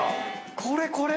これこれ！